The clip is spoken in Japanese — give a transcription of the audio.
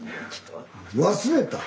忘れた？